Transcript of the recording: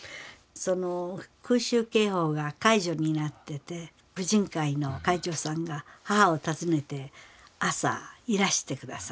空襲警報が解除になってて婦人会の会長さんが母を訪ねて朝いらして下さって。